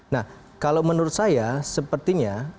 nah kalau menurut saya sepertinya